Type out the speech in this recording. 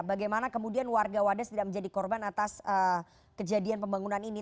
bagaimana kemudian warga wadas tidak menjadi korban atas kejadian pembangunan ini